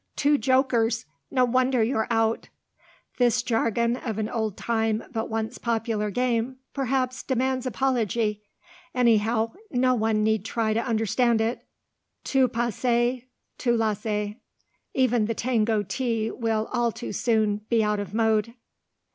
Two jokers! No wonder you're out." (This jargon of an old time but once popular game perhaps demands apology; anyhow no one need try to understand it. Tout passe, tout lasse.... Even the Tango Tea will all too soon be out of mode).